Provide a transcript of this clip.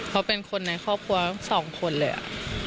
เพราะเป็นคนในครอบครัว๒คนเลย